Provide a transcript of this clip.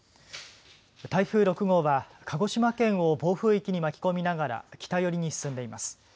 台風６号は鹿児島県を暴風域に巻き込みながら北寄りに進んでいます。